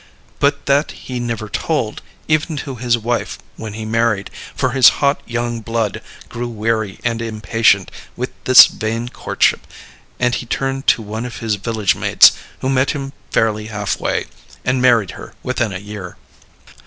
But that he never told, even to his wife when he married; for his hot young blood grew weary and impatient with this vain courtship, and he turned to one of his villagemates, who met him fairly half way, and married her within a year.